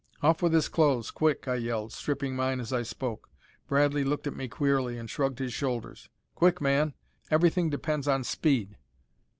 "Off with his clothes, quick!" I yelled, stripping mine as I spoke. Bradley looked at me queerly, and shrugged his shoulders. "Quick, man! Everything depends on speed!"